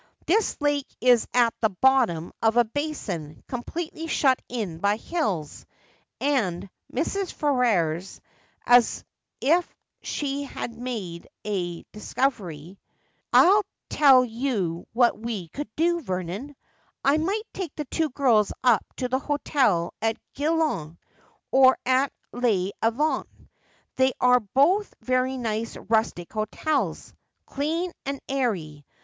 This lake is at the bottom of a basin, completely shut in by hills,' said Mrs. Ferrers, as if she had made a discovery. ' I'll tell you what we could do, Vernon. I might take the two girls up to the hotel at Glion, or at Les Avants. They are both very nice rustic hotels, clean and airy.